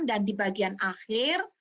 dan di bagian akhir